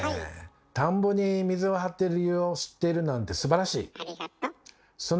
田んぼに水を張っている理由を知っているなんてすばらしい！